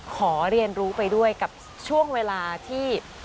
ขอเรียนรู้ไปด้วยกับช่วงเวลาที่